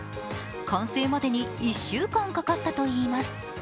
完成までに１週間かかったといいます。